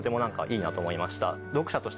なと思いました。